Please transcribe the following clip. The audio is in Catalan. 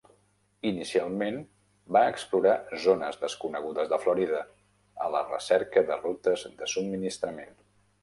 Inicialment, va explorar zones desconegudes de Florida, a la recerca de rutes de subministrament.